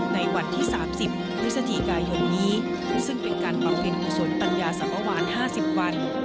ในวันที่๓๐พฤศจิกายนนี้ซึ่งเป็นการบำเพ็ญกุศลปัญญาสังวาน๕๐วัน